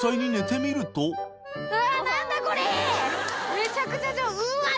めちゃくちゃ邪魔うわっ！